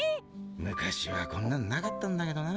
昔はこんなんなかったんだけどな。